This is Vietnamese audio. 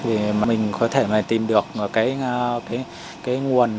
vì mình có thể tìm được cái nguồn